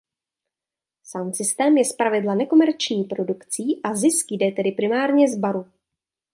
Sound system je zpravidla nekomerční produkcí a zisk jde tedy primárně z baru.